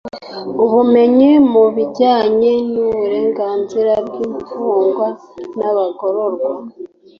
Ubumenyi mu bijyanye n uburenganzira bw imfungwa n abagororwa